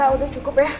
sa udah cukup ya